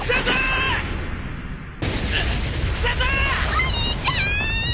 お兄ちゃん！